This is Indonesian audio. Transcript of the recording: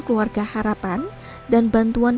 keluarga harapan dan bantuan